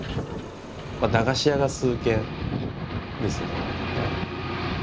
駄菓子屋が数軒ですよね。